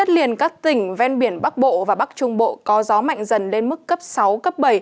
liền các tỉnh ven biển bắc bộ và bắc trung bộ có gió mạnh dần lên mức cấp sáu cấp bảy